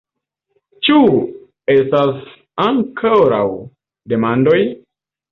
Ĉu estas ankoraŭ demandoj?